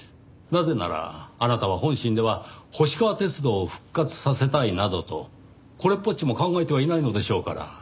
なぜならあなたは本心では星川鐵道を復活させたいなどとこれっぽっちも考えてはいないのでしょうから。